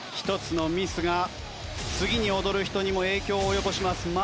１つのミスが次に踊る人にも影響を及ぼします。